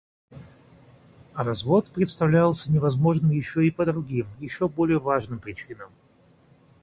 Развод представлялся невозможным еще и по другим, еще более важным причинам.